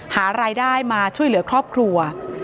หารายได้มาช่วยเหลือครอบครัว